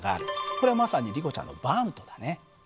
これはまさにリコちゃんのバントだね。